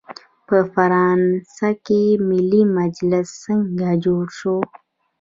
په فرانسه کې ملي مجلس څنګه جوړ شو؟